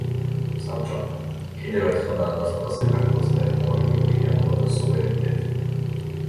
საბჭომ, კიდევ ერთხელ დაადასტურა საქართველოს ტერიტორიული მთლიანობა და სუვერენიტეტი.